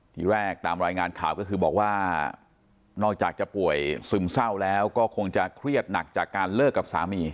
ทีแรกตามรายงานข่าวก็คือบอกว่านอกจากจะป่วยซึมเศร้าแล้วก็คงจะเครียดหนักจากการเลิกกับสามี